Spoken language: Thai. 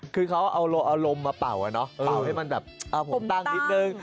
คือเขาเอาอารมณ์มาเป่าอะเนาะเป่าให้มันแบบผมตั้งนิดนึง